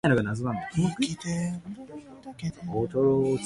In Hungarian, the lake is known simply as "Balaton".